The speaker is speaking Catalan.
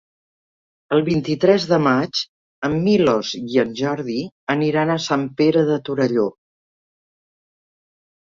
El vint-i-tres de maig en Milos i en Jordi aniran a Sant Pere de Torelló.